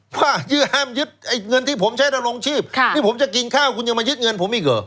ว่าห้ามยึดเงินที่ผมใช้ดำรงชีพนี่ผมจะกินข้าวคุณยังมายึดเงินผมอีกเหรอ